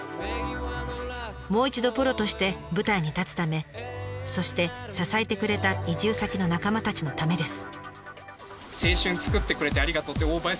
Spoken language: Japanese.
もう一度プロとして舞台に立つためそして支えてくれた移住先の仲間たちのためです。